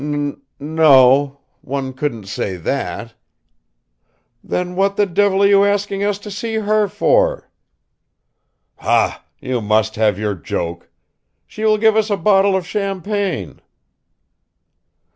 "N no, one couldn't say that." "Then what the devil are you asking us to see her for?" "Ha! You must have your joke ... she will give us a bottle of champagne."